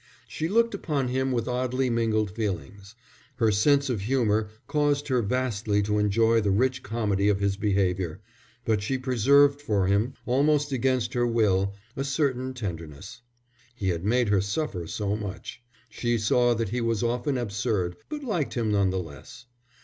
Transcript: She looked upon him with oddly mingled feelings. Her sense of humour caused her vastly to enjoy the rich comedy of his behaviour, but she preserved for him, almost against her will, a certain tenderness. He had made her suffer so much. She saw that he was often absurd, but liked him none the less.